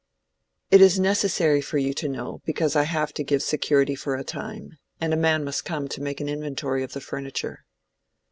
"It is necessary for you to know, because I have to give security for a time, and a man must come to make an inventory of the furniture."